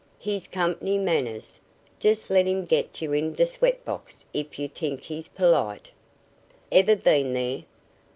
"His company manners. Just let him get you in d' sweatbox, if you t'ink he's polite." "Ever been there?"